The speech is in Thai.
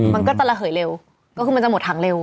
มันก็จะระเหยเร็วก็คือมันจะหมดถังเร็ว